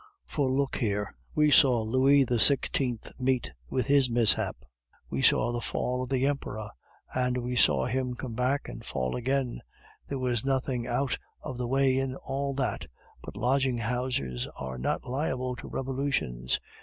For, look here, we saw Louis XVI. meet with his mishap; we saw the fall of the Emperor; and we saw him come back and fall again; there was nothing out of the way in all that, but lodging houses are not liable to revolutions.